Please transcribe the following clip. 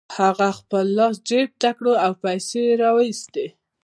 هغه خپل لاس جيب ته کړ او پيسې يې را و ايستې.